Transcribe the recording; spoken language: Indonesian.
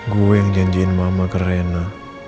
gue yang janjiin mama ke rena